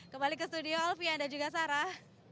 kembali ke studio alfian dan juga sarah